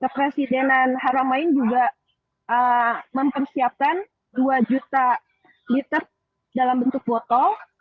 kepresidenan haramain juga mempersiapkan dua juta liter dalam bentuk botol